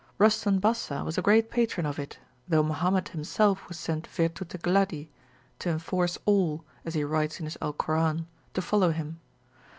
Rustan Bassa was a great patron of it; though Mahomet himself was sent virtute gladdi, to enforce all, as he writes in his Alcoran, to follow him.